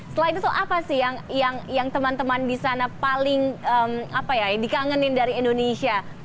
selain itu apa sih yang teman teman di sana paling dikangenin dari indonesia